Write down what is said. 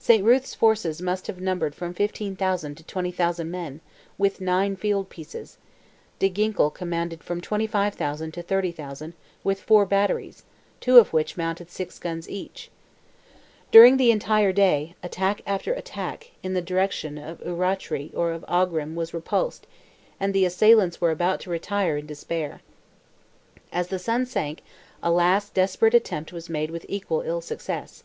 Saint Ruth's force must have numbered from 15,000 to 20,000 men, with nine field pieces; De Ginkle commanded from 25,000 to 30,000, with four batteries—two of which mounted six guns each. During the entire day, attack after attack, in the direction of Urrachree or of Aughrim was repulsed, and the assailants were about to retire in despair. As the sun sank low, a last desperate attempt was made with equal ill success.